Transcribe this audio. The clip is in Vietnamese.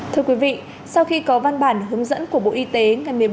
thưa quý vị sau khi có văn bản hướng dẫn của bộ y tế ngày một mươi ba